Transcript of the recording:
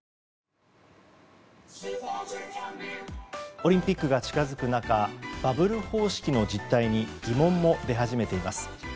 オリンピックが近づく中バブル方式の実態に疑問も出始めています。